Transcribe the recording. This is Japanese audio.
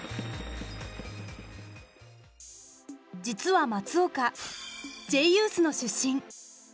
実は松岡Ｊユースの出身。